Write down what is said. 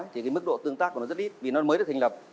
thì cái mức độ tương tác của nó rất ít vì nó mới được thành lập